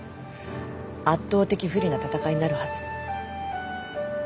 圧倒的不利な戦いになるはず。